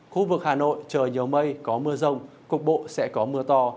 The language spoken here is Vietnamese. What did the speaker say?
khu vực hà nội trời nhiều mây có mưa rông cục bộ sẽ có mưa to